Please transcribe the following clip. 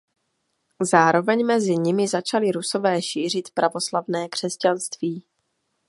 Zároveň mezi nimi začali Rusové šířit pravoslavné křesťanství.